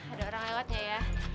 ada orang lewatnya ya